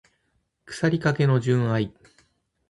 腐りかけの純愛